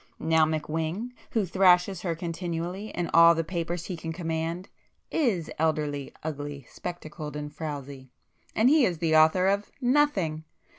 Now McWhing, who thrashes her continually in all the papers he can command, is elderly, ugly, spectacled and frowsy,—and he is the author of—nothing!